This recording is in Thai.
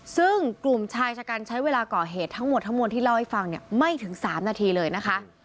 ซึ่งกลุ่มชายชะกันใช้เวลาก่อเหตุทั้งหมดทั้งมวลที่เล่าให้ฟังเนี่ยไม่ถึง๓นาทีเลยนะคะ